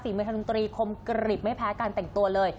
เมืองทางดนตรีคมกริบไม่แพ้การแต่งตัวเลย